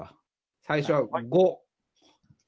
最初は５。